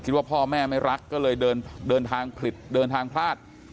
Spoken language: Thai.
คิดว่าพ่อแม่ไม่รักก็เลยเดินทางผลาด